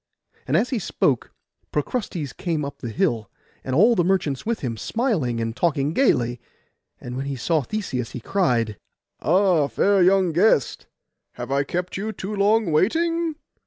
And as he spoke, Procrustes came up the hill, and all the merchants with him, smiling and talking gaily. And when he saw Theseus, he cried, 'Ah, fair young guest, have I kept you too long waiting?